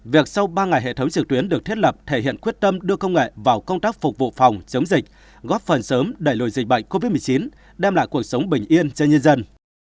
việc sau ba ngày hệ thống trực tuyến được thiết lập thể hiện quyết tâm đưa công nghệ vào công tác phục vụ phòng chống dịch góp phần sớm đẩy lùi dịch bệnh covid một mươi chín đem lại cuộc sống bình yên cho nhân dân